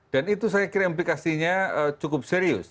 dan itu saya kira implikasinya cukup serius